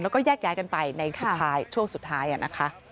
แล้วก็แยกย้ายกันไปในสุดท้ายช่วงสุดท้ายนะคะ